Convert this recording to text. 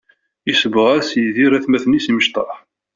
Yessebɣas Yidir atmaten-is imecṭaḥ.